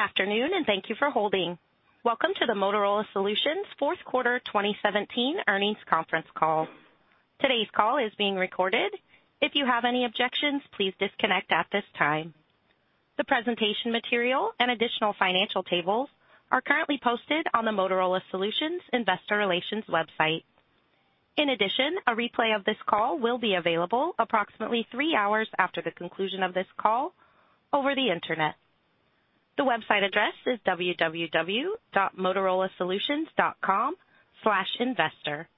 Good afternoon, and thank you for holding. Welcome to the Motorola Solutions Fourth Quarter 2017 Earnings Conference Call. Today's call is being recorded. If you have any objections, please disconnect at this time. The presentation material and additional financial tables are currently posted on the Motorola Solutions investor relations website. In addition, a replay of this call will be available approximately three hours after the conclusion of this call over the internet. The website address is www.motorolasolutions.com/investor.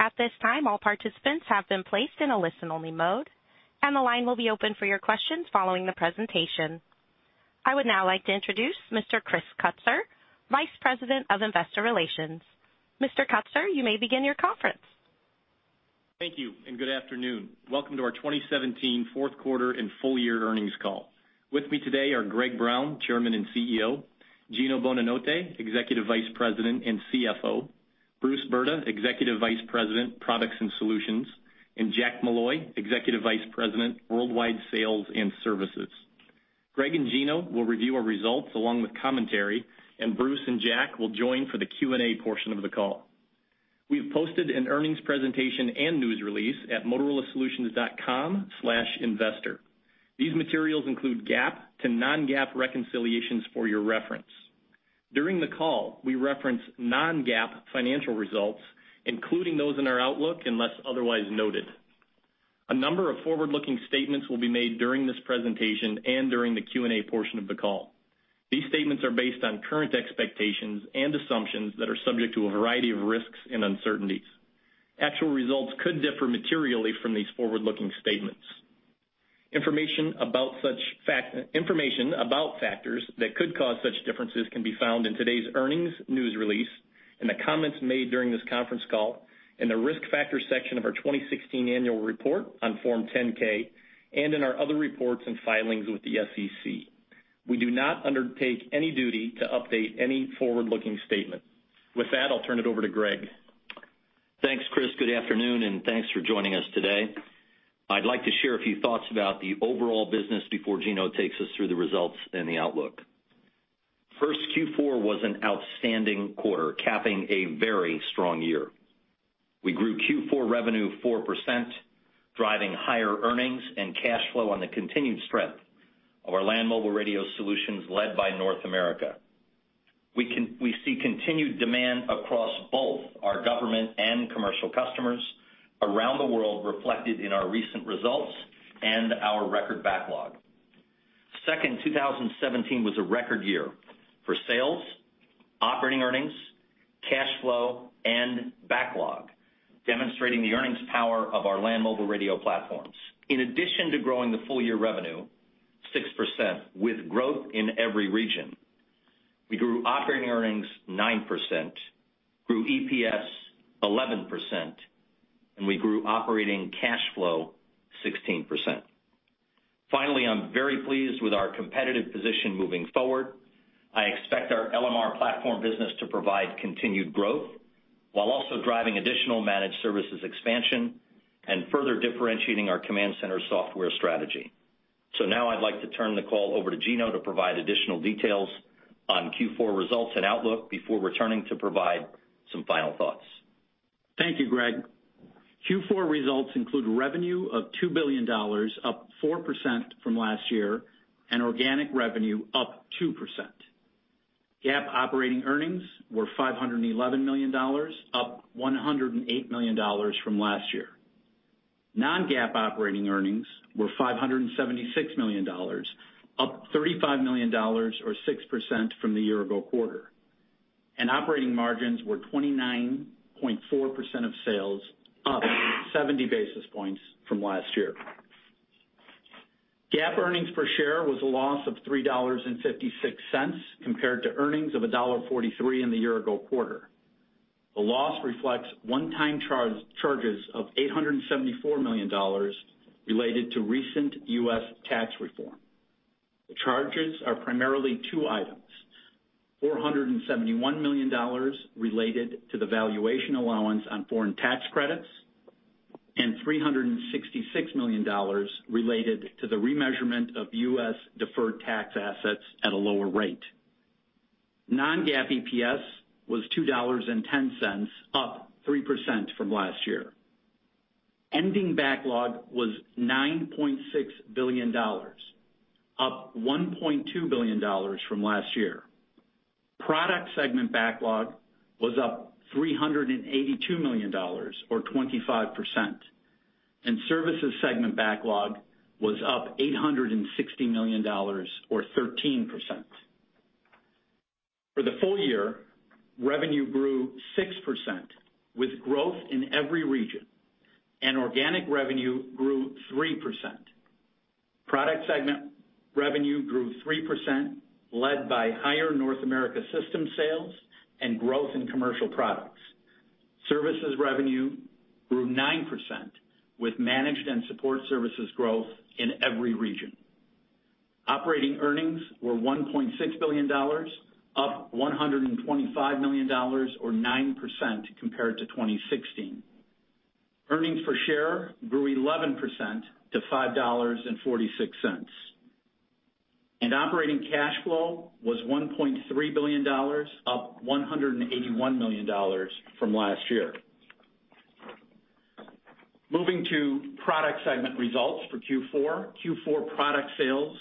At this time, all participants have been placed in a listen-only mode, and the line will be open for your questions following the presentation. I would now like to introduce Mr. Chris Kutsor, Vice President of Investor Relations. Mr. Kutsor, you may begin your conference. Thank you, and good afternoon. Welcome to our 2017 fourth quarter and full year earnings call. With me today are Greg Brown, Chairman and CEO; Gino Bonanotte, Executive Vice President and CFO; Bruce Brda, Executive Vice President, Products and Solutions; and Jack Molloy, Executive Vice President, Worldwide Sales and Services. Greg and Gino will review our results along with commentary, and Bruce and Jack will join for the Q&A portion of the call. We have posted an earnings presentation and news release at motorolasolutions.com/investor. These materials include GAAP to non-GAAP reconciliations for your reference. During the call, we reference non-GAAP financial results, including those in our outlook, unless otherwise noted. A number of forward-looking statements will be made during this presentation and during the Q&A portion of the call. These statements are based on current expectations and assumptions that are subject to a variety of risks and uncertainties. Actual results could differ materially from these forward-looking statements. Information about factors that could cause such differences can be found in today's earnings news release, in the comments made during this conference call, in the Risk Factors section of our 2016 annual report on Form 10-K, and in our other reports and filings with the SEC. We do not undertake any duty to update any forward-looking statement. With that, I'll turn it over to Greg. Thanks, Chris. Good afternoon, and thanks for joining us today. I'd like to share a few thoughts about the overall business before Gino takes us through the results and the outlook. First, Q4 was an outstanding quarter, capping a very strong year. We grew Q4 revenue 4%, driving higher earnings and cash flow on the continued strength of our land mobile radio solutions, led by North America. We see continued demand across both our government and commercial customers around the world, reflected in our recent results and our record backlog. Second, 2017 was a record year for sales, operating earnings, cash flow, and backlog, demonstrating the earnings power of our land mobile radio platforms. In addition to growing the full-year revenue 6%, with growth in every region, we grew operating earnings 9%, grew EPS 11%, and we grew operating cash flow 16%. Finally, I'm very pleased with our competitive position moving forward. I expect our LMR platform business to provide continued growth while also driving additional managed services expansion and further differentiating our command center software strategy. So now I'd like to turn the call over to Gino to provide additional details on Q4 results and outlook before returning to provide some final thoughts. Thank you, Greg. Q4 results include revenue of $2 billion, up 4% from last year, and organic revenue up 2%. GAAP operating earnings were $511 million, up $108 million from last year. Non-GAAP operating earnings were $576 million, up $35 million or 6% from the year ago quarter, and operating margins were 29.4% of sales, up 70 basis points from last year. GAAP earnings per share was a loss of $3.56, compared to earnings of $1.43 in the year ago quarter. The loss reflects one-time charges of $874 million related to recent U.S. tax reform. The charges are primarily two items: $471 million related to the valuation allowance on foreign tax credits and $366 million related to the remeasurement of U.S. deferred tax assets at a lower rate. Non-GAAP EPS was $2.10, up 3% from last year. Ending backlog was $9.6 billion, up $1.2 billion from last year. Product segment backlog was up $382 million or 25%, and services segment backlog was up $860 million or 13%. For the full year, revenue grew 6%, with growth in every region, and organic revenue grew 3%. Product segment revenue grew 3%, led by higher North America system sales and growth in commercial products. Services revenue grew 9%, with managed and support services growth in every region. Operating earnings were $1.6 billion, up $125 million or 9% compared to 2016. Earnings per share grew 11% to $5.46, and operating cash flow was $1.3 billion, up $181 million from last year. Moving to product segment results for Q4. Q4 product sales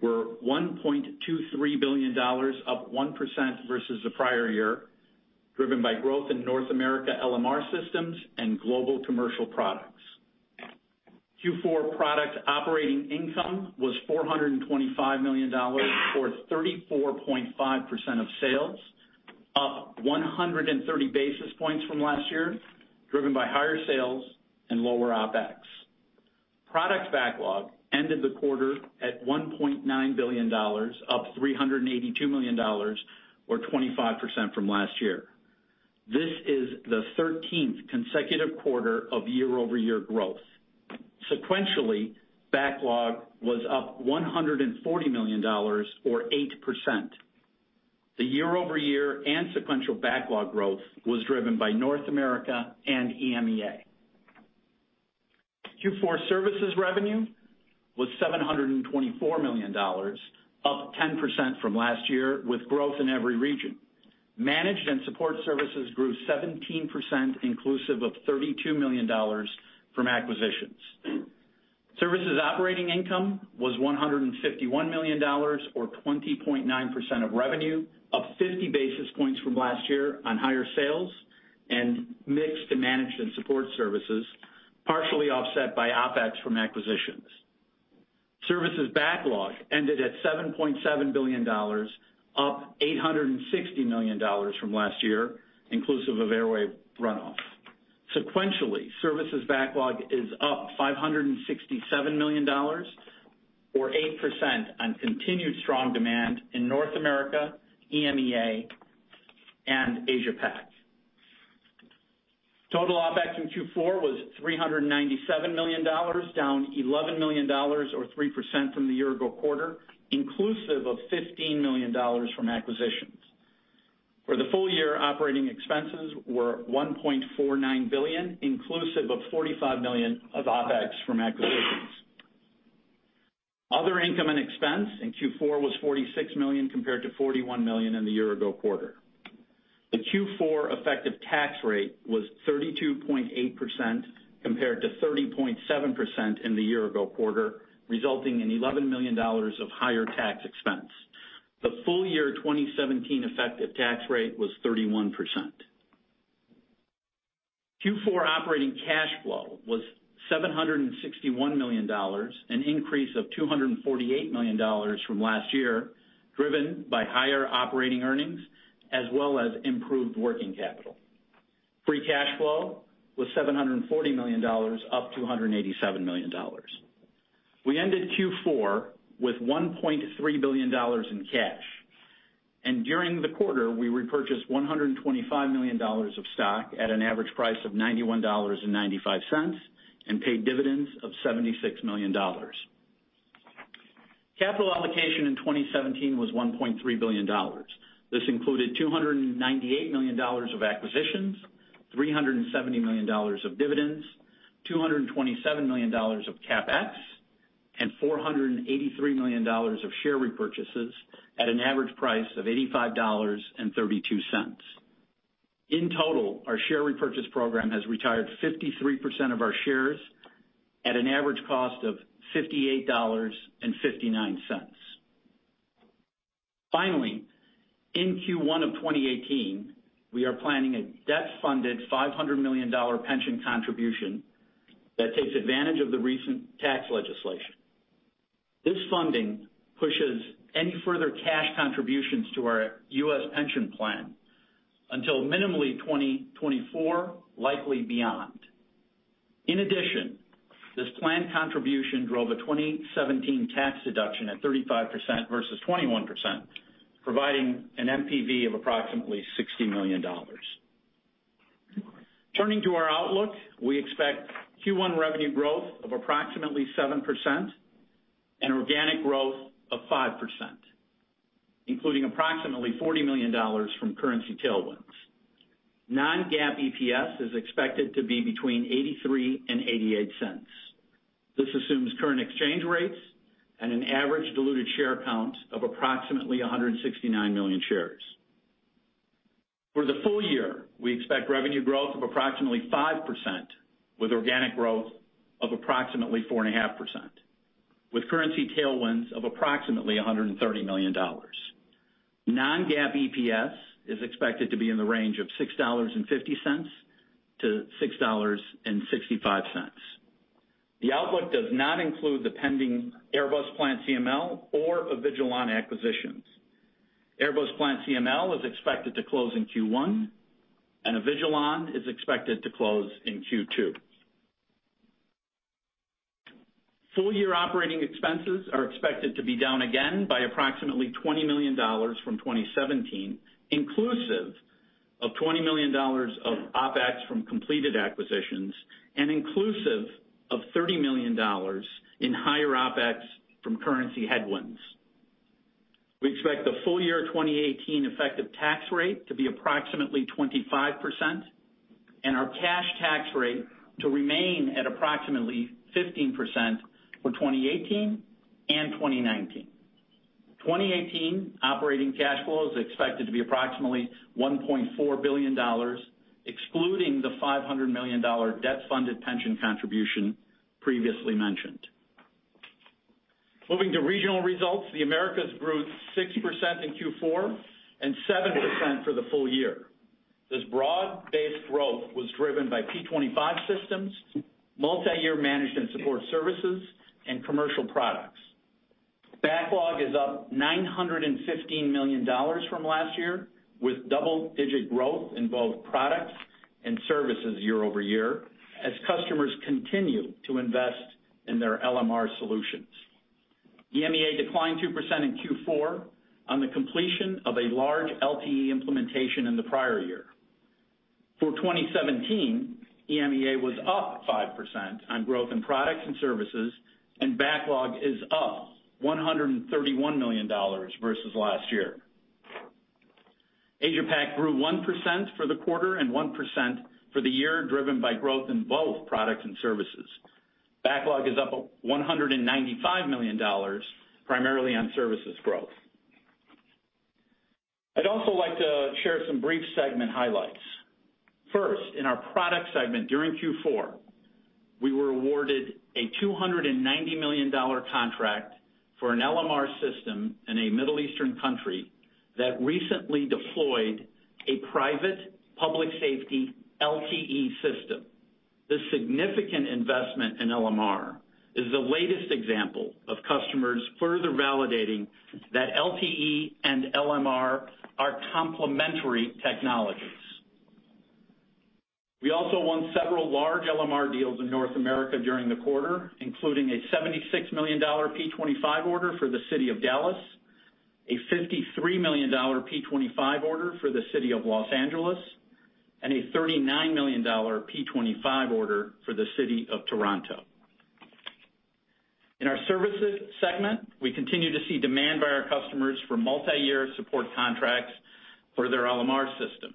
were $1.23 billion, up 1% versus the prior year, driven by growth in North America, LMR systems, and global commercial products. Q4 product operating income was $425 million, or 34.5% of sales, up 130 basis points from last year, driven by higher sales and lower OpEx. Product backlog ended the quarter at $1.9 billion, up $382 million, or 25% from last year. This is the thirteenth consecutive quarter of year-over-year growth. Sequentially, backlog was up $140 million or 8%. The year-over-year and sequential backlog growth was driven by North America and EMEA. Q4 services revenue was $724 million, up 10% from last year, with growth in every region. Managed and support services grew 17%, inclusive of $32 million from acquisitions. Services operating income was $151 million or 20.9% of revenue, up 50 basis points from last year on higher sales and mix to managed and support services, partially offset by OpEx from acquisitions. Services backlog ended at $7.7 billion, up $860 million from last year, inclusive of Airwave runoff. Sequentially, services backlog is up $567 million, or 8%, on continued strong demand in North America, EMEA, and Asia Pac. Total OpEx in Q4 was $397 million, down $11 million or 3% from the year-ago quarter, inclusive of $15 million from acquisitions. For the full year, operating expenses were $1.49 billion, inclusive of $45 million of OpEx from acquisitions. Other income and expense in Q4 was $46 million, compared to $41 million in the year-ago quarter. The Q4 effective tax rate was 32.8%, compared to 30.7% in the year-ago quarter, resulting in $11 million of higher tax expense. The full year 2017 effective tax rate was 31%. Q4 operating cash flow was $761 million, an increase of $248 million from last year, driven by higher operating earnings as well as improved working capital. Free cash flow was $740 million, up $287 million. We ended Q4 with $1.3 billion in cash, and during the quarter, we repurchased $125 million of stock at an average price of $91.95 and paid dividends of $76 million. Capital allocation in 2017 was $1.3 billion. This included $298 million of acquisitions, $370 million of dividends, $227 million of CapEx, and $483 million of share repurchases at an average price of $85.32. In total, our share repurchase program has retired 53% of our shares at an average cost of $58.59. Finally, in Q1 of 2018, we are planning a debt-funded $500 million pension contribution that takes advantage of the recent tax legislation. This funding pushes any further cash contributions to our U.S. pension plan until minimally 2024, likely beyond. In addition, this plan contribution drove a 2017 tax deduction at 35% versus 21%, providing an NPV of approximately $60 million. Turning to our outlook, we expect Q1 revenue growth of approximately 7% and organic growth of 5%, including approximately $40 million from currency tailwinds. Non-GAAP EPS is expected to be between $0.83 and $0.88. This assumes current exchange rates and an average diluted share count of approximately 169 million shares. For the full year, we expect revenue growth of approximately 5%, with organic growth of approximately 4.5%, with currency tailwinds of approximately $130 million. Non-GAAP EPS is expected to be in the range of $6.50 to $6.65. The outlook does not include the pending Airbus PlantCML or Avigilon acquisitions. Airbus PlantCML is expected to close in Q1, and Avigilon is expected to close in Q2. Full-year operating expenses are expected to be down again by approximately $20 million from 2017, inclusive of $20 million of OpEx from completed acquisitions and $30 million in higher OpEx from currency headwinds. We expect the full year 2018 effective tax rate to be approximately 25%, and our cash tax rate to remain at approximately 15% for 2018 and 2019. 2018 operating cash flow is expected to be approximately $1.4 billion, excluding the $500 million debt-funded pension contribution previously mentioned. Moving to regional results, the Americas grew 60% in Q4 and 7% for the full year. This broad-based growth was driven by P25 systems, multiyear managed and support services, and commercial products. Backlog is up $915 million from last year, with double-digit growth in both products and services year-over-year, as customers continue to invest in their LMR solutions. EMEA declined 2% in Q4 on the completion of a large LTE implementation in the prior year. For 2017, EMEA was up 5% on growth in products and services, and backlog is up $131 million versus last year. Asia Pac grew 1% for the quarter and 1% for the year, driven by growth in both products and services. Backlog is up $195 million, primarily on services growth. I'd also like to share some brief segment highlights. First, in our product segment during Q4, we were awarded a $290 million contract for an LMR system in a Middle Eastern country that recently deployed a private public safety LTE system. This significant investment in LMR is the latest example of customers further validating that LTE and LMR are complementary technologies. We also won several large LMR deals in North America during the quarter, including a $76 million P25 order for the city of Dallas, a $53 million P25 order for the city of Los Angeles, and a $39 million P25 order for the city of Toronto. In our services segment, we continue to see demand by our customers for multiyear support contracts for their LMR systems.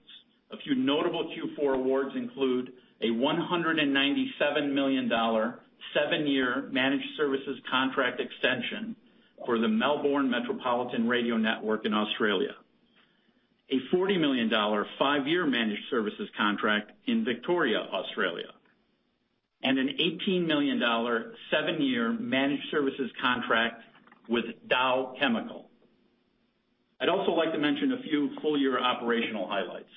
A few notable Q4 awards include a $197 million, seven-year managed services contract extension for the Melbourne Metropolitan Radio Network in Australia, a $40 million, five-year managed services contract in Victoria, Australia, and an $18 million, seven-year managed services contract with Dow Chemical. I'd also like to mention a few full year operational highlights.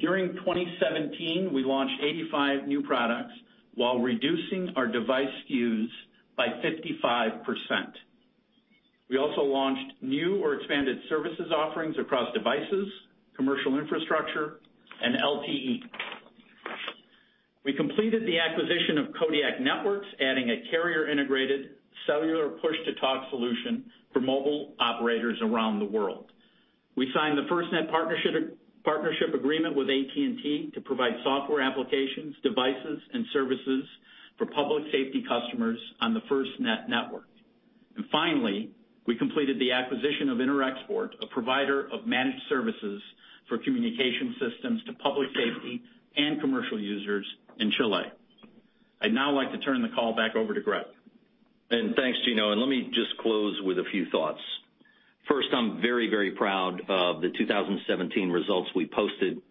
During 2017, we launched 85 new products while reducing our device SKUs by 55%. We also launched new or expanded services offerings across devices, commercial infrastructure, and LTE. We completed the acquisition of Kodiak Networks, adding a carrier-integrated, cellular push-to-talk solution for mobile operators around the world. We signed the FirstNet partnership, partnership agreement with AT&T to provide software applications, devices, and services for public safety customers on the FirstNet network. And finally, we completed the acquisition of Interexport, a provider of managed services for communication systems to public safety and commercial users in Chile. I'd now like to turn the call back over to Greg. Thanks, Gino, and let me just close with a few thoughts. First, I'm very, very proud of the 2017 results we posted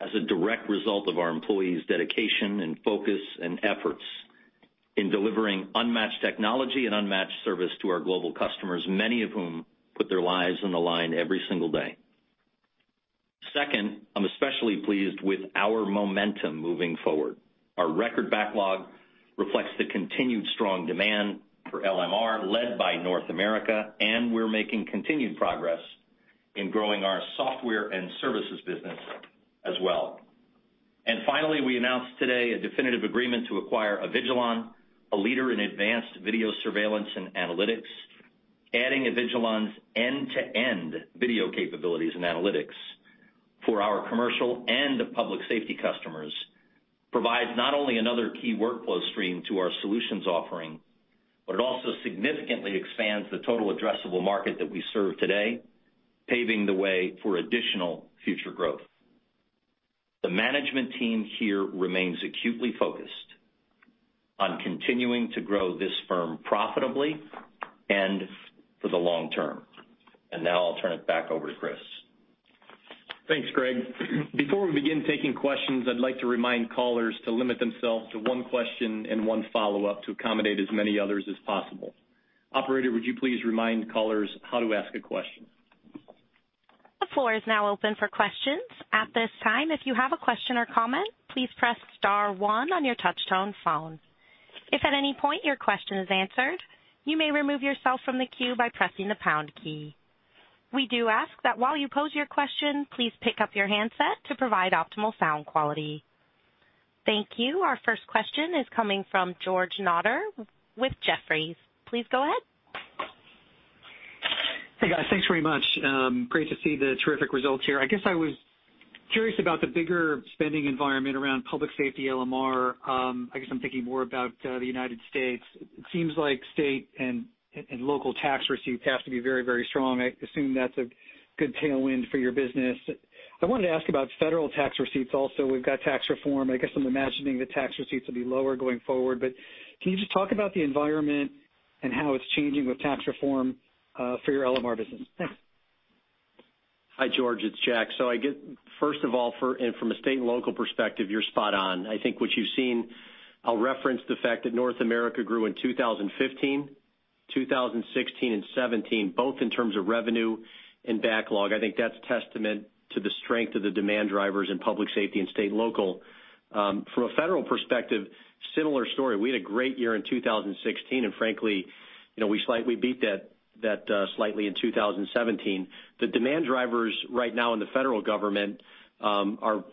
as a direct result of our employees' dedication, and focus, and efforts in delivering unmatched technology and unmatched service to our global customers, many of whom put their lives on the line every single day. Second, I'm especially pleased with our momentum moving forward. Our record backlog reflects the continued strong demand for LMR, led by North America, and we're making continued progress in growing our software and services business as well. And finally, we announced today a definitive agreement to acquire Avigilon, a leader in advanced video surveillance and analytics. Adding Avigilon's end-to-end video capabilities and analytics for our commercial and public safety customers provides not only another key workflow stream to our solutions offering, but it also significantly expands the total addressable market that we serve today, paving the way for additional future growth. The management team here remains acutely focused on continuing to grow this firm profitably and for the long term. Now I'll turn it back over to Chris. Thanks, Greg. Before we begin taking questions, I'd like to remind callers to limit themselves to one question and one follow-up to accommodate as many others as possible. Operator, would you please remind callers how to ask a question? The floor is now open for questions. At this time, if you have a question or comment, please press star one on your touchtone phone. If at any point your question is answered, you may remove yourself from the queue by pressing the pound key. We do ask that while you pose your question, please pick up your handset to provide optimal sound quality. Thank you. Our first question is coming from George Notter with Jefferies. Please go ahead.... Hey, guys. Thanks very much. Great to see the terrific results here. I guess I was curious about the bigger spending environment around public safety LMR. I guess I'm thinking more about, the United States. It seems like state and local tax receipts have to be very, very strong. I assume that's a good tailwind for your business. I wanted to ask about federal tax receipts also. We've got tax reform, and I guess I'm imagining the tax receipts will be lower going forward. But can you just talk about the environment and how it's changing with tax reform, for your LMR business? Thanks. Hi, George, it's Jack. So first of all, from a state and local perspective, you're spot on. I think what you've seen, I'll reference the fact that North America grew in 2015, 2016 and 2017, both in terms of revenue and backlog. I think that's a testament to the strength of the demand drivers in public safety and state and local. From a federal perspective, similar story. We had a great year in 2016, and frankly, you know, we slightly beat that slightly in 2017. The demand drivers right now in the federal government are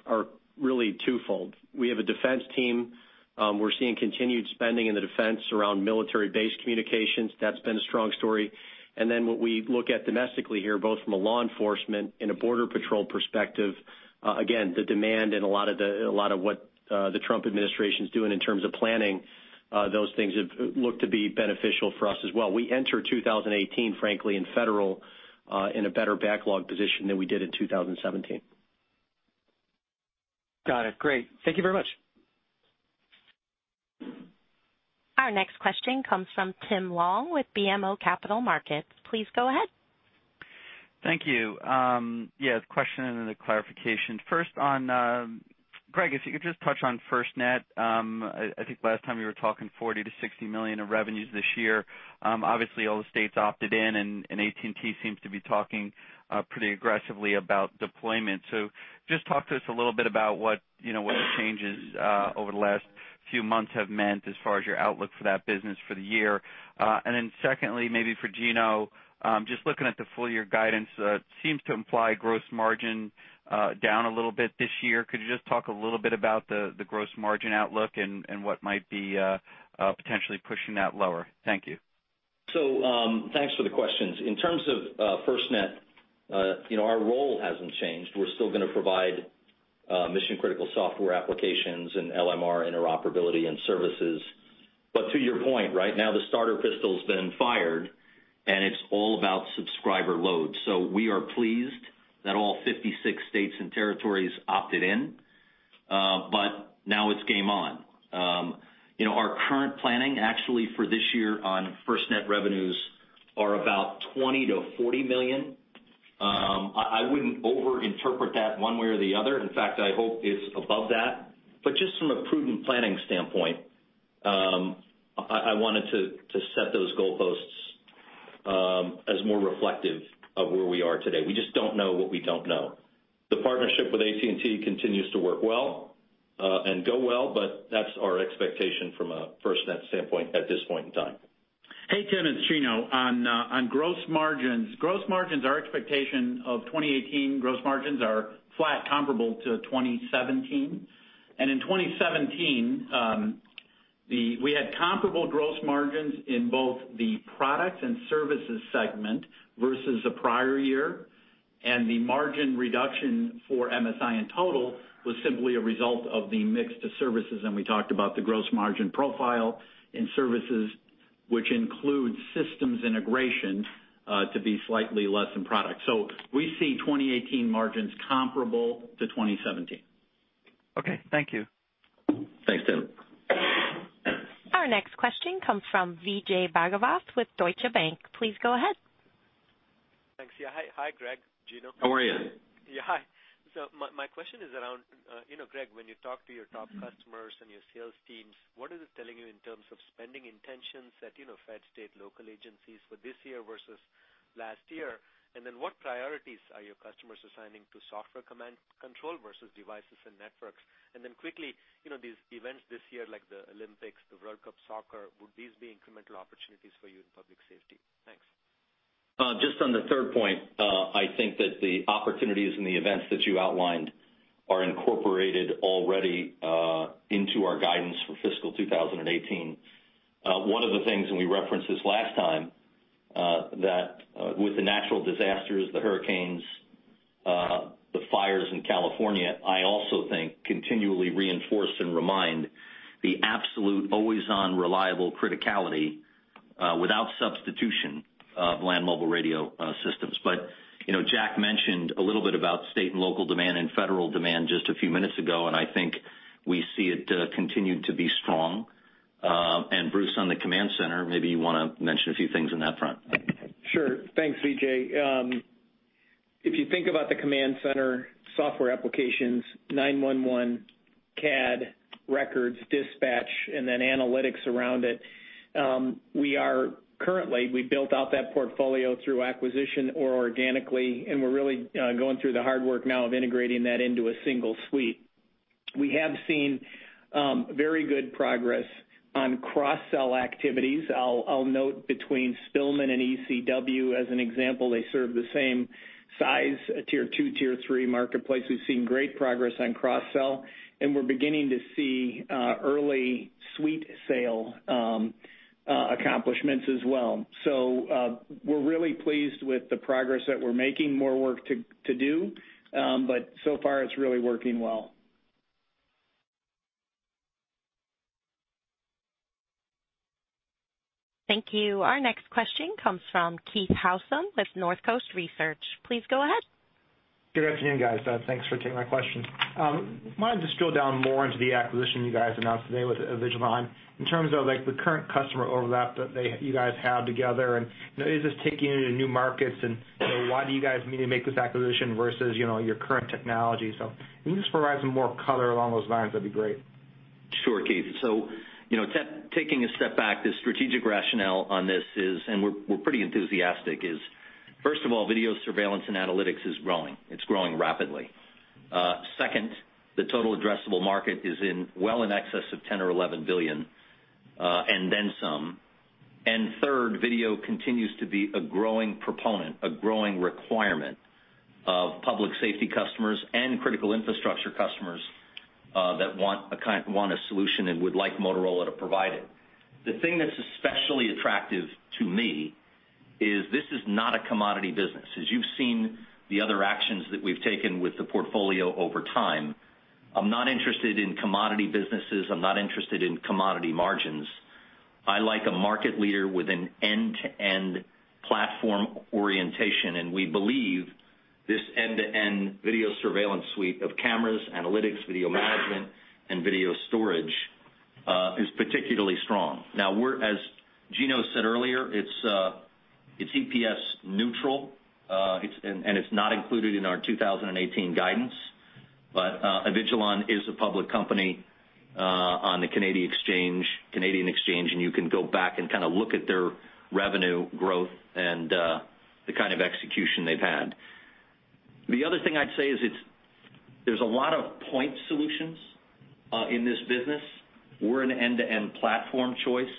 really twofold. We have a defense team, we're seeing continued spending in the defense around military-based communications. That's been a strong story. And then what we look at domestically here, both from a law enforcement and a border patrol perspective, again, the demand and a lot of the, a lot of what, the Trump administration is doing in terms of planning, those things have look to be beneficial for us as well. We enter 2018, frankly, in federal, in a better backlog position than we did in 2017. Got it. Great. Thank you very much. Our next question comes from Tim Long with BMO Capital Markets. Please go ahead. Thank you. Yeah, the question and the clarification. First on, Greg, if you could just touch on FirstNet. I think last time you were talking $40 million-$60 million of revenues this year. Obviously, all the states opted in, and AT&T seems to be talking pretty aggressively about deployment. So just talk to us a little bit about what, you know, what the changes over the last few months have meant as far as your outlook for that business for the year. And then secondly, maybe for Gino, just looking at the full year guidance, seems to imply gross margin down a little bit this year. Could you just talk a little bit about the gross margin outlook and what might be potentially pushing that lower? Thank you. So, thanks for the questions. In terms of, FirstNet, you know, our role hasn't changed. We're still gonna provide, mission-critical software applications and LMR interoperability and services. But to your point, right now, the starter pistol's been fired, and it's all about subscriber load. So we are pleased that all 56 states and territories opted in, but now it's game on. You know, our current planning, actually, for this year on FirstNet revenues are about $20 million-$40 million. I, I wouldn't overinterpret that one way or the other. In fact, I hope it's above that. But just from a prudent planning standpoint, I, I wanted to, to set those goalposts, as more reflective of where we are today. We just don't know what we don't know. The partnership with AT&T continues to work well, and go well, but that's our expectation from a FirstNet standpoint at this point in time. Hey, Tim, it's Gino. On gross margins. Gross margins, our expectation of 2018 gross margins are flat, comparable to 2017. And in 2017, we had comparable gross margins in both the products and services segment versus the prior year, and the margin reduction for MSI in total was simply a result of the mix to services. And we talked about the gross margin profile in services, which includes systems integration, to be slightly less than product. So we see 2018 margins comparable to 2017. Okay, thank you. Thanks, Tim. Our next question comes from Vijay Bhagavath with Deutsche Bank. Please go ahead. Thanks. Yeah. Hi, hi, Greg, Gino. How are you? Yeah, hi. So my, my question is around, you know, Greg, when you talk to your top customers and your sales teams, what is it telling you in terms of spending intentions that, you know, federal state, local agencies for this year versus last year? And then what priorities are your customers assigning to software command, control versus devices and networks? And then quickly, you know, these events this year, like the Olympics, the World Cup soccer, would these be incremental opportunities for you in public safety? Thanks. Just on the third point, I think that the opportunities and the events that you outlined are incorporated already into our guidance for fiscal 2018. One of the things, and we referenced this last time, that, with the natural disasters, the hurricanes, the fires in California, I also think continually reinforce and remind the absolute always-on, reliable criticality, without substitution of land mobile radio systems. But, you know, Jack mentioned a little bit about state and local demand and federal demand just a few minutes ago, and I think we see it continue to be strong. And Bruce, on the command center, maybe you wanna mention a few things on that front. Sure. Thanks, Vijay. If you think about the command center software applications, 911, CAD, records, dispatch, and then analytics around it, we are currently, we built out that portfolio through acquisition or organically, and we're really going through the hard work now of integrating that into a single suite. We have seen very good progress on cross-sell activities. I'll note between Spillman and ECW, as an example, they serve the same size, a tier two, tier three marketplace. We've seen great progress on cross-sell, and we're beginning to see early suite sale accomplishments as well. So, we're really pleased with the progress that we're making. More work to do, but so far, it's really working well. Thank you. Our next question comes from Keith Housum with Northcoast Research. Please go ahead. Good afternoon, guys. Thanks for taking my question. Mind if I just drill down more into the acquisition you guys announced today with Avigilon? In terms of, like, the current customer overlap that you guys have together, and, you know, is this taking you into new markets? And, you know, why do you guys need to make this acquisition versus, you know, your current technology? So can you just provide some more color along those lines, that'd be great. Sure, Keith. So, you know, taking a step back, the strategic rationale on this is, and we're pretty enthusiastic, is, first of all, video surveillance and analytics is growing. It's growing rapidly. Second, the total addressable market is well in excess of $10 billion or $11 billion, and then some. And third, video continues to be a growing proponent, a growing requirement of public safety customers and critical infrastructure customers, that want a solution and would like Motorola to provide it. The thing that's especially attractive to me is this is not a commodity business. As you've seen the other actions that we've taken with the portfolio over time, I'm not interested in commodity businesses. I'm not interested in commodity margins. I like a market leader with an end-to-end platform orientation, and we believe this end-to-end video surveillance suite of cameras, analytics, video management, and video storage is particularly strong. Now, we're as Gino said earlier, it's EPS neutral, and it's not included in our 2018 guidance, but Avigilon is a public company on the Canadian exchange, and you can go back and kind of look at their revenue growth and the kind of execution they've had. The other thing I'd say is there's a lot of point solutions in this business. We're an end-to-end platform choice,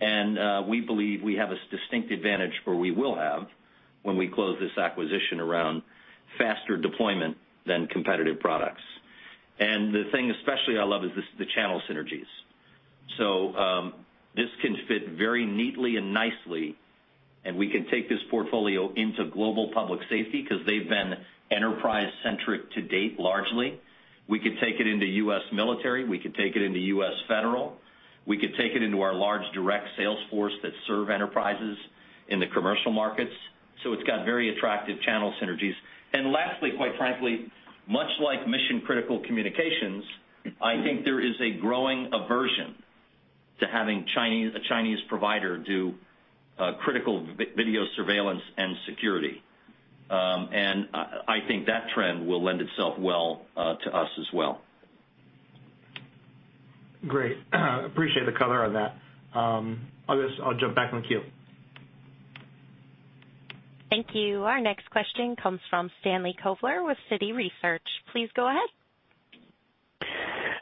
and we believe we have a distinct advantage, or we will have, when we close this acquisition around faster deployment than competitive products. And the thing especially I love is the channel synergies. So, this can fit very neatly and nicely, and we can take this portfolio into global public safety 'cause they've been enterprise-centric to date, largely. We could take it into U.S. military, we could take it into U.S. federal, we could take it into our large direct sales force that serve enterprises in the commercial markets. So it's got very attractive channel synergies. And lastly, quite frankly, much like mission-critical communications, I think there is a growing aversion to having a Chinese provider do critical video surveillance and security. And I think that trend will lend itself well to us as well. Great. Appreciate the color on that. I'll just, I'll jump back in the queue. Thank you. Our next question comes from Stanley Kovler with Citi Research. Please go ahead.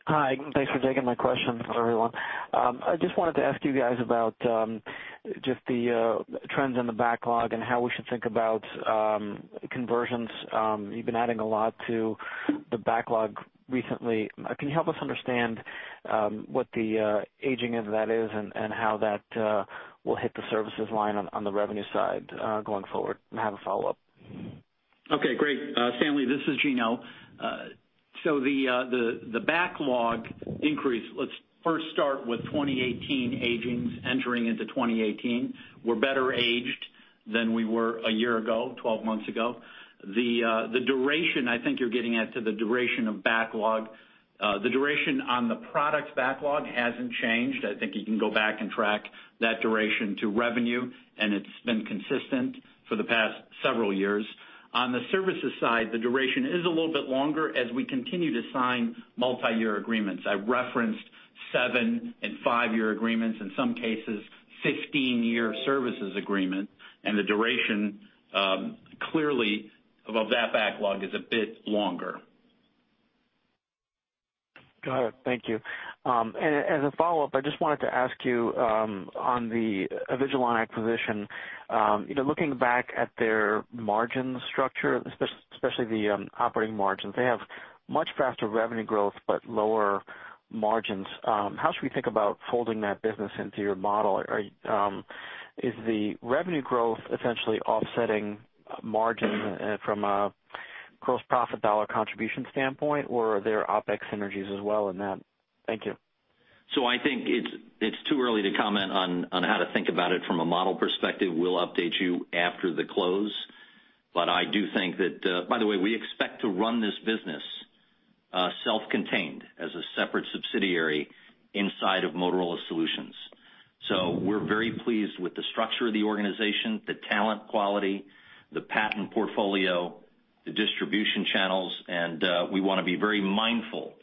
Hi, thanks for taking my question, everyone. I just wanted to ask you guys about just the trends in the backlog and how we should think about conversions. You've been adding a lot to the backlog recently. Can you help us understand what the aging of that is and, and how that will hit the services line on, on the revenue side going forward? And I have a follow-up. Okay, great. Stanley, this is Gino. So the backlog increase, let's first start with 2018 agings entering into 2018. We're better aged than we were a year ago, 12 months ago. The duration, I think you're getting at to the duration of backlog. The duration on the product backlog hasn't changed. I think you can go back and track that duration to revenue, and it's been consistent for the past several years. On the services side, the duration is a little bit longer as we continue to sign multiyear agreements. I've referenced 7- and 5-year agreements, in some cases, 15-year services agreement, and the duration clearly above that backlog is a bit longer. Got it. Thank you. And as a follow-up, I just wanted to ask you, on the Avigilon acquisition, you know, looking back at their margin structure, especially the operating margins, they have much faster revenue growth, but lower margins. How should we think about folding that business into your model? Are, is the revenue growth essentially offsetting margin, from a gross profit dollar contribution standpoint, or are there OpEx synergies as well in that? Thank you. So I think it's too early to comment on how to think about it from a model perspective. We'll update you after the close. But I do think that, by the way, we expect to run this business self-contained as a separate subsidiary inside of Motorola Solutions. So we're very pleased with the structure of the organization, the talent quality, the patent portfolio, the distribution channels, and we wanna be very mindful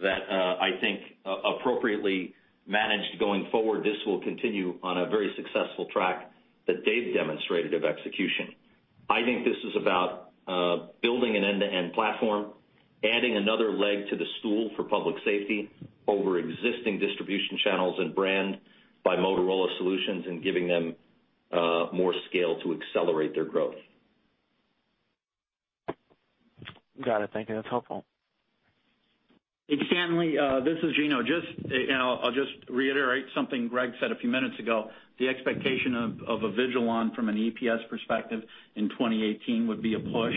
that I think appropriately managed going forward, this will continue on a very successful track that they've demonstrated of execution. I think this is about building an end-to-end platform, adding another leg to the stool for public safety over existing distribution channels and brand by Motorola Solutions, and giving them more scale to accelerate their growth. Got it. Thank you, that's helpful. Hey, Stanley, this is Gino. Just, you know, I'll just reiterate something Greg said a few minutes ago. The expectation of Avigilon from an EPS perspective in 2018 would be a push.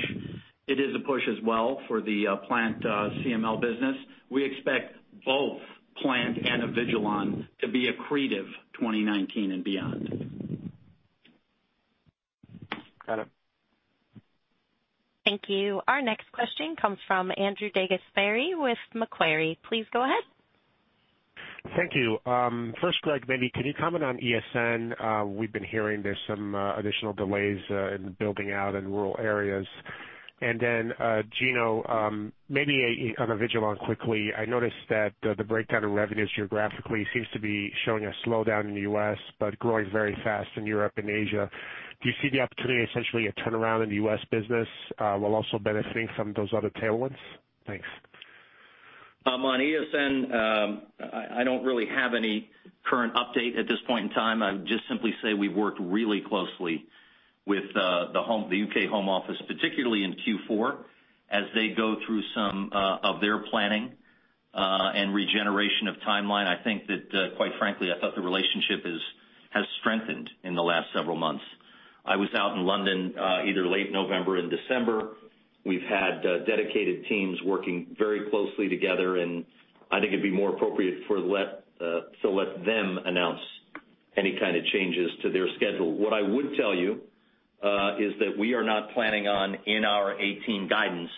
It is a push as well for the PlantCML business. We expect both PlantCML and Avigilon to be accretive 2019 and beyond. Got it. Thank you. Our next question comes from Andrew DeGasperi with Macquarie. Please go ahead. Thank you. First, Greg, maybe can you comment on ESN? We've been hearing there's some additional delays in building out in rural areas. And then, Gino, maybe on Avigilon quickly, I noticed that the breakdown in revenues geographically seems to be showing a slowdown in the U.S., but growing very fast in Europe and Asia. Do you see the opportunity, essentially a turnaround in the U.S. business, while also benefiting from those other tailwinds? Thanks. On ESN, I don't really have any current update at this point in time. I'd just simply say we've worked really closely with the U.K. Home Office, particularly in Q4, as they go through some of their planning and regeneration of timeline. I think that, quite frankly, the relationship has strengthened in the last several months. I was out in London, either late November or in December. We've had dedicated teams working very closely together, and I think it'd be more appropriate to let them announce any kind of changes to their schedule. What I would tell you is that we are not planning on, in our 2018 guidance,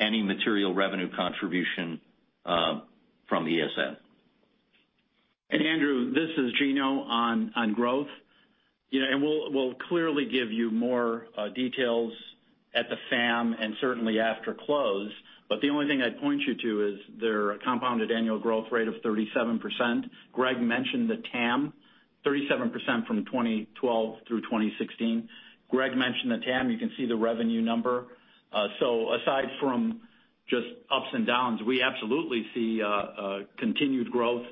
any material revenue contribution from ESN. And Andrew, this is Gino, on growth. You know, and we'll clearly give you more details at the FAM and certainly after close, but the only thing I'd point you to is their compounded annual growth rate of 37%. Greg mentioned the TAM, 37% from 2012 through 2016. Greg mentioned the TAM, you can see the revenue number. So aside from just ups and downs, we absolutely see continued growth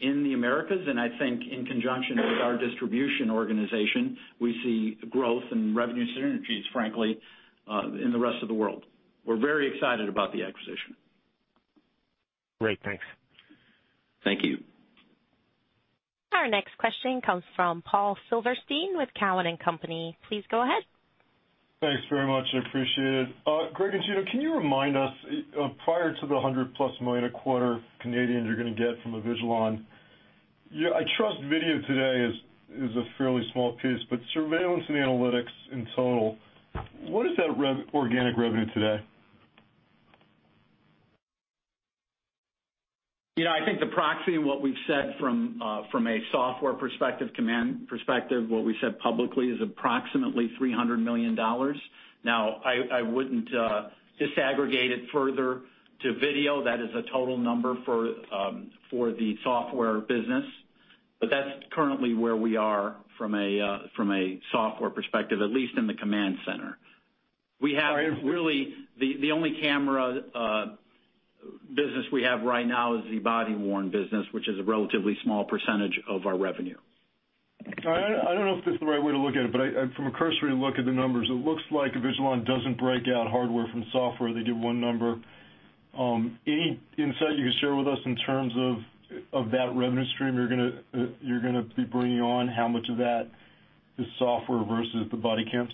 in the Americas, and I think in conjunction with our distribution organization, we see growth and revenue synergies, frankly, in the rest of the world. We're very excited about the acquisition. Great, thanks. Thank you. Our next question comes from Paul Silverstein with Cowen and Company. Please go ahead. Thanks very much. I appreciate it. Greg and Gino, can you remind us prior to the 100+ million a quarter you're gonna get from Avigilon, yeah, its video today is a fairly small piece, but surveillance and analytics in total, what is that revenue, organic revenue today? You know, I think the proxy and what we've said from, from a software perspective, command perspective, what we've said publicly is approximately $300 million. Now, I wouldn't disaggregate it further to video. That is a total number for the software business, but that's currently where we are from a software perspective, at least in the command center. We have really- The only camera business we have right now is the body-worn business, which is a relatively small percentage of our revenue. I don't know if this is the right way to look at it, but from a cursory look at the numbers, it looks like Avigilon doesn't break out hardware from software. They give one number. Any insight you can share with us in terms of that revenue stream you're gonna be bringing on, how much of that is software versus the body cams?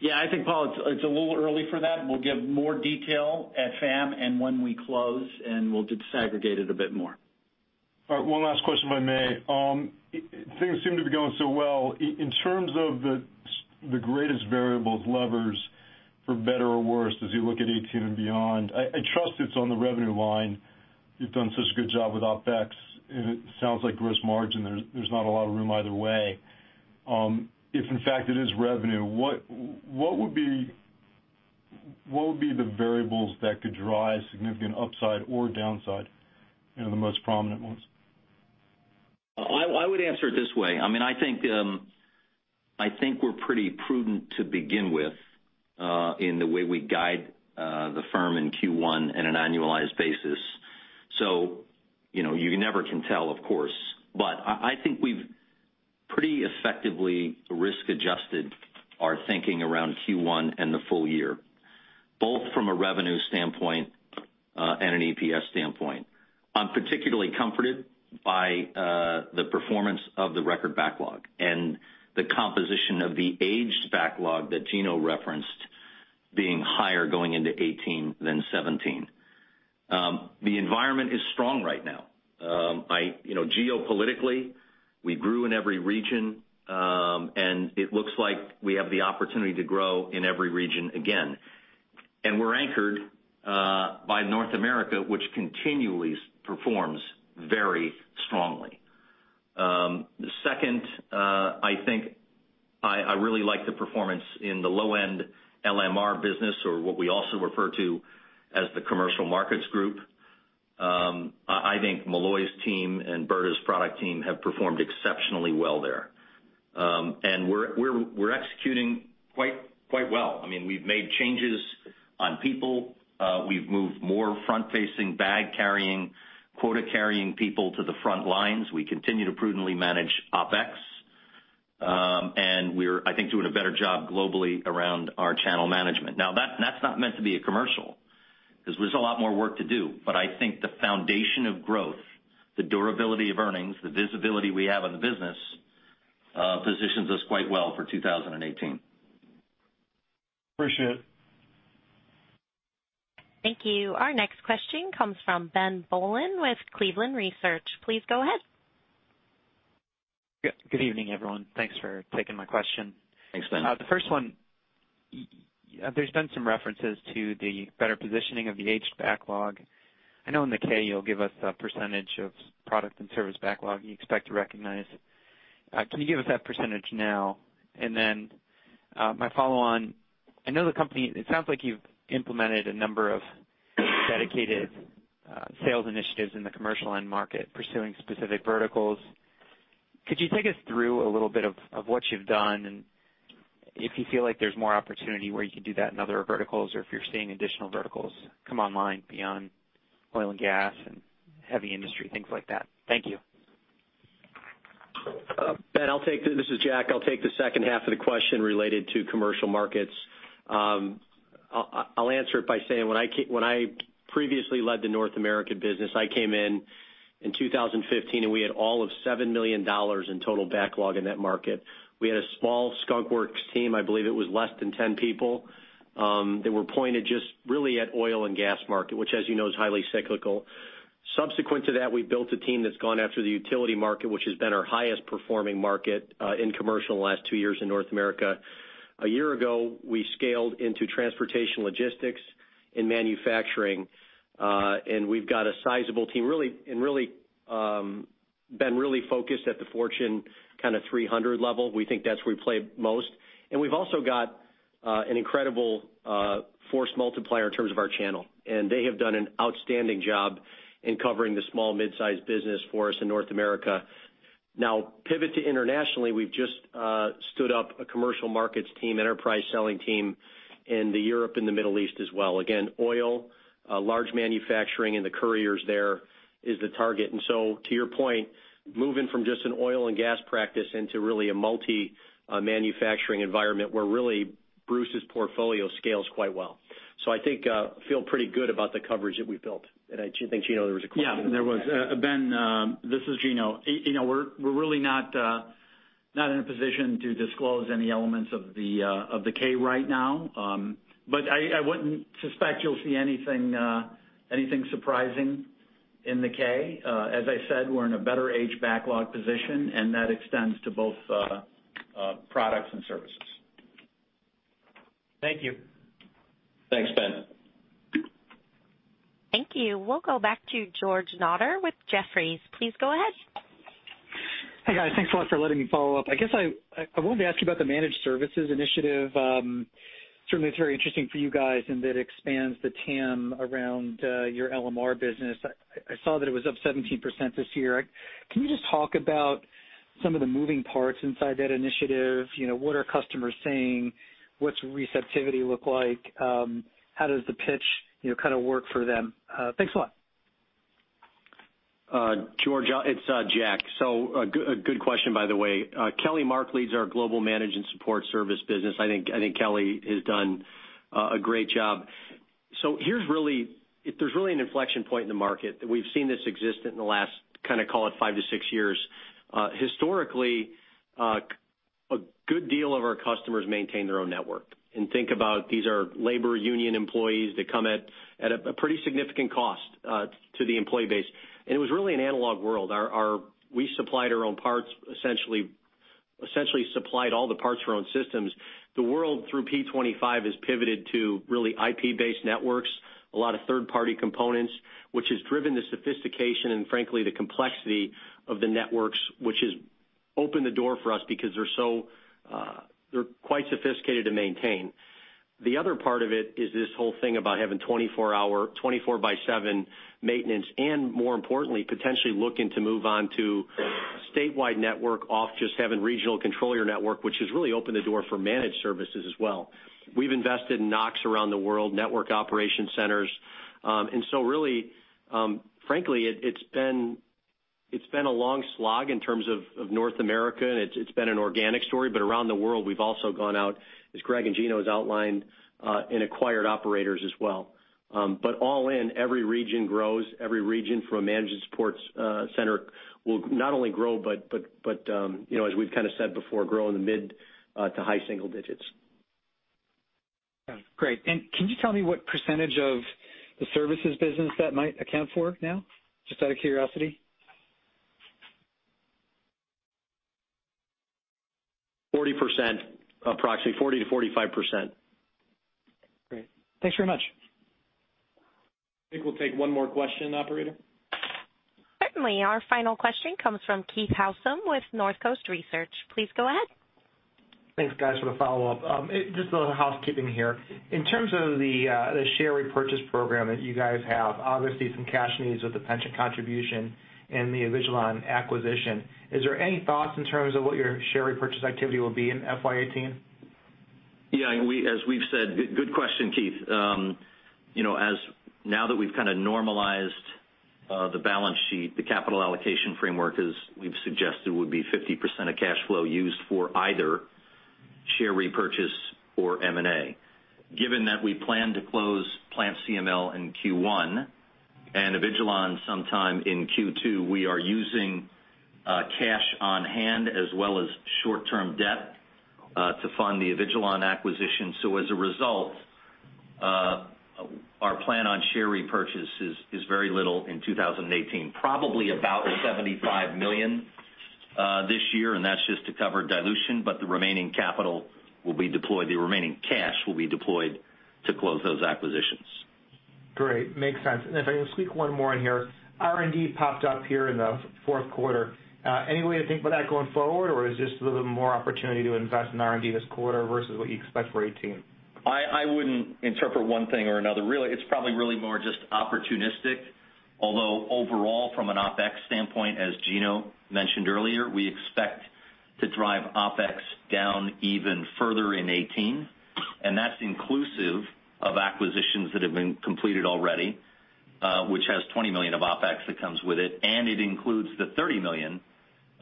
Yeah, I think, Paul, it's a little early for that. We'll give more detail at FAM and when we close, and we'll disaggregate it a bit more. All right, one last question, if I may. Things seem to be going so well. In terms of the greatest variables, levers, for better or worse, as you look at 2018 and beyond, I trust it's on the revenue line. You've done such a good job with OpEx, and it sounds like gross margin; there's not a lot of room either way. If in fact it is revenue, what would be the variables that could drive significant upside or downside, you know, the most prominent ones? I would answer it this way. I mean, I think we're pretty prudent to begin with, in the way we guide the firm in Q1 on an annualized basis. So, you know, you never can tell, of course, but I think we've pretty effectively risk-adjusted our thinking around Q1 and the full year, both from a revenue standpoint, and an EPS standpoint. I'm particularly comforted by the performance of the record backlog and the composition of the aged backlog that Gino referenced being higher going into 2018 than 2017. The environment is strong right now. You know, geopolitically, we grew in every region, and it looks like we have the opportunity to grow in every region again. And we're anchored by North America, which continually performs very strongly. Second, I think I really like the performance in the low-end LMR business, or what we also refer to as the commercial markets group. ... I think Molloy's team and Berta's product team have performed exceptionally well there. And we're executing quite well. I mean, we've made changes on people. We've moved more front-facing, bag-carrying, quota-carrying people to the front lines. We continue to prudently manage OpEx. And we're, I think, doing a better job globally around our channel management. Now, that's not meant to be a commercial, 'cause there's a lot more work to do. But I think the foundation of growth, the durability of earnings, the visibility we have on the business, positions us quite well for 2018. Appreciate it. Thank you. Our next question comes from Ben Bollin with Cleveland Research. Please go ahead. Good evening, everyone. Thanks for taking my question. Thanks, Ben. The first one, there's been some references to the better positioning of the aged backlog. I know in the K, you'll give us a percentage of product and service backlog you expect to recognize. Can you give us that percentage now? And then, my follow-on, I know the company... It sounds like you've implemented a number of dedicated sales initiatives in the commercial end market, pursuing specific verticals. Could you take us through a little bit of what you've done, and if you feel like there's more opportunity where you can do that in other verticals, or if you're seeing additional verticals come online beyond oil and gas and heavy industry, things like that? Thank you. Ben, this is Jack. I'll take the second half of the question related to commercial markets. I'll answer it by saying, when I previously led the North American business, I came in in 2015, and we had all of $7 million in total backlog in that market. We had a small skunk works team, I believe it was less than 10 people. They were pointed just really at oil and gas market, which, as you know, is highly cyclical. Subsequent to that, we built a team that's gone after the utility market, which has been our highest performing market, in commercial in the last two years in North America. A year ago, we scaled into transportation, logistics, and manufacturing, and we've got a sizable team, been really focused at the Fortune kind of 300 level. We think that's where we play most. And we've also got an incredible force multiplier in terms of our channel, and they have done an outstanding job in covering the small, mid-sized business for us in North America. Now, pivot to internationally, we've just stood up a commercial markets team, enterprise selling team in the Europe and the Middle East as well. Again, oil, large manufacturing, and the couriers there is the target. And so to your point, moving from just an oil and gas practice into really a multi manufacturing environment, where really Bruce's portfolio scales quite well. So I think feel pretty good about the coverage that we've built. I think, Gino, there was a question- Yeah, there was. Ben, this is Gino. You know, we're really not in a position to disclose any elements of the K right now. But I wouldn't suspect you'll see anything surprising in the K. As I said, we're in a better aged backlog position, and that extends to both products and services. Thank you. Thanks, Ben. Thank you. We'll go back to George Notter with Jefferies. Please go ahead. Hey, guys. Thanks a lot for letting me follow up. I guess I wanted to ask you about the managed services initiative. Certainly, it's very interesting for you guys, and that expands the TAM around your LMR business. I saw that it was up 17% this year. Can you just talk about some of the moving parts inside that initiative? You know, what are customers saying? What's receptivity look like? How does the pitch, you know, kind of work for them? Thanks a lot. George, it's Jack. So a good question, by the way. Kelly Mark leads our global managed and support service business. I think Kelly has done a great job. So here's really... There's really an inflection point in the market that we've seen this exist in the last, kind of, call it five to six years. Historically, a good deal of our customers maintain their own network. And think about, these are labor union employees. They come at a pretty significant cost to the employee base, and it was really an analog world. Our - we supplied our own parts, essentially supplied all the parts for our own systems. The world, through P25, has pivoted to really IP-based networks, a lot of third-party components, which has driven the sophistication and frankly, the complexity of the networks, which has opened the door for us because they're so... They're quite sophisticated to maintain. The other part of it is this whole thing about having 24-hour, 24-by-7 maintenance, and more importantly, potentially looking to move on to statewide network off just having regional controller network, which has really opened the door for managed services as well. We've invested in NOCs around the world, network operation centers. And so really, frankly, it, it's been, it's been a long slog in terms of, of North America, and it's, it's been an organic story, but around the world, we've also gone out, as Greg and Gino has outlined, and acquired operators as well. But all in, every region grows. Every region from a managed services center will not only grow, but you know, as we've kind of said before, grow in the mid to high single digits. Got it. Great. And can you tell me what percentage of the services business that might account for now? Just out of curiosity. 40%. Approximately 40%-45%. Great. Thanks very much. I think we'll take one more question, operator. ...Certainly. Our final question comes from Keith Housum with Northcoast Research. Please go ahead. Thanks, guys, for the follow-up. Just a little housekeeping here. In terms of the share repurchase program that you guys have, obviously some cash needs with the pension contribution and the Avigilon acquisition, is there any thoughts in terms of what your share repurchase activity will be in FY 2018? Yeah, and we, as we've said, good question, Keith. You know, as now that we've kind of normalized the balance sheet, the capital allocation framework, as we've suggested, would be 50% of cash flow used for either share repurchase or M&A. Given that we plan to close PlantCML in Q1 and Avigilon sometime in Q2, we are using cash on hand as well as short-term debt to fund the Avigilon acquisition. So as a result, our plan on share repurchase is very little in 2018, probably about $75 million this year, and that's just to cover dilution, but the remaining capital will be deployed, the remaining cash will be deployed to close those acquisitions. Great, makes sense. And if I can squeak one more in here, R&D popped up here in the fourth quarter. Any way to think about that going forward, or is just a little more opportunity to invest in R&D this quarter versus what you expect for 2018? I wouldn't interpret one thing or another. Really, it's probably really more just opportunistic. Although, overall, from an OpEx standpoint, as Gino mentioned earlier, we expect to drive OpEx down even further in 2018, and that's inclusive of acquisitions that have been completed already, which has $20 million of OpEx that comes with it, and it includes the $30 million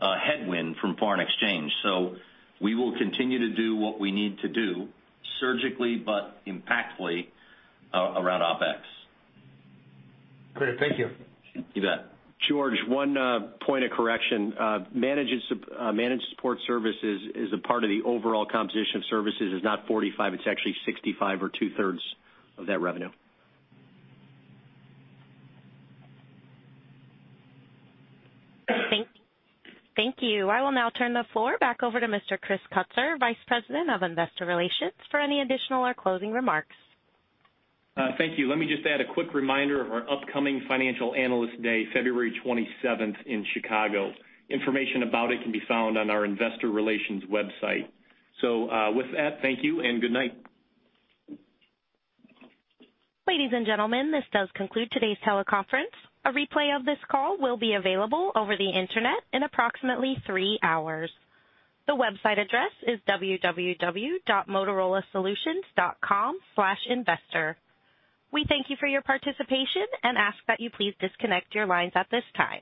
headwind from foreign exchange. So we will continue to do what we need to do surgically but impactfully around OpEx. Great. Thank you. You bet. George, one point of correction. Managed support services is a part of the overall composition of services is not 45, it's actually 65 or two-thirds of that revenue. Thank you. I will now turn the floor back over to Mr. Chris Kutsor, Vice President of Investor Relations, for any additional or closing remarks. Thank you. Let me just add a quick reminder of our upcoming Financial Analyst Day, February 27th in Chicago. Information about it can be found on our investor relations website. With that, thank you, and good night. Ladies and gentlemen, this does conclude today's teleconference. A replay of this call will be available over the internet in approximately three hours. The website address is www.motorolasolutions.com/investor. We thank you for your participation and ask that you please disconnect your lines at this time.